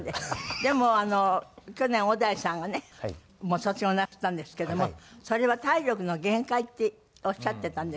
でも去年小田井さんがねご卒業なすったんですけどもそれは「体力の限界」っておっしゃってたんです。